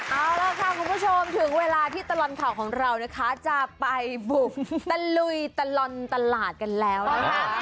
เอาล่ะค่ะคุณผู้ชมถึงเวลาที่ตลอดข่าวของเรานะคะจะไปบุกตะลุยตลอดตลาดกันแล้วนะคะ